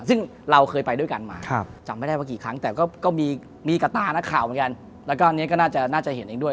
ซึ่งเราเคยไปด้วยกันมาจำไม่ได้ว่ากี่ครั้งแต่ก็มีกาต้านักข่าวเหมือนกันแล้วก็อันนี้ก็น่าจะเห็นเองด้วย